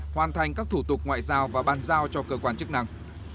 hoàn thành các thủ tục ngoại giao và bàn giao cho cơ quan chức năng